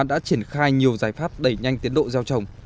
đã triển khai nhiều giải pháp đẩy nhanh tiến độ gieo trồng